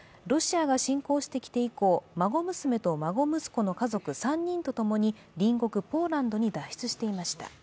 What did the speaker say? ロシアが侵攻してきて以降、孫娘と孫息子の家族３人とともに隣国ポーランドに脱出していました。